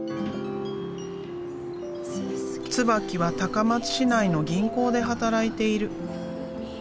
椿は高松市内の銀行で働いている。